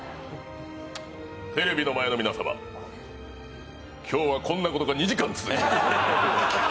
テレビの前の皆様、今日はこんなことが２時間続きます。